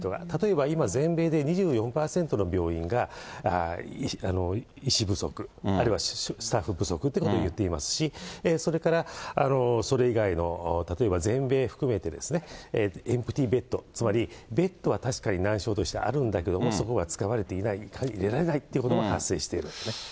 例えば今、全米で２４％の病院が、医師不足、あるいはスタッフ不足ということを言っていますし、それからそれ以外の、例えば全米含めて、エンプティーベッド、つまりベッドは確かに何床としてあるんだけれども、そこが使われていない、いれられないということも発生しているんですね。